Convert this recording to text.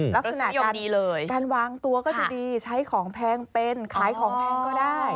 ลักษณะการดีเลยการวางตัวก็จะดีใช้ของแพงเป็นขายของแพงก็ได้